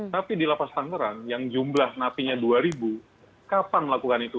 tapi di lapas tangerang yang jumlah napinya dua ribu kapan melakukan itu